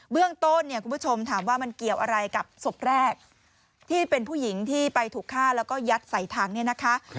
เรื่องต้นเนี่ยคุณผู้ชมถามว่ามันเกี่ยวอะไรกับศพแรกที่เป็นผู้หญิงที่ไปถูกฆ่าแล้วก็ยัดใส่ถังเนี่ยนะคะ